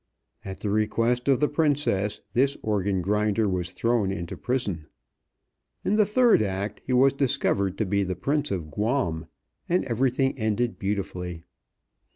At the request of the princess, this organ grinder was thrown into prison. In the third act he was discovered to be the Prince of Guam, and everything ended beautifully.